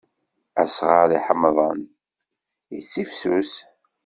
Asɣar iḥemḍen ittifsus.